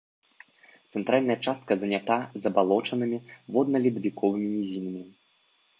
Цэнтральная частка занята забалочанымі водна-ледавіковымі нізінамі.